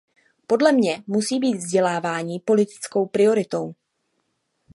Podle mně musí být vzdělávání politickou prioritou.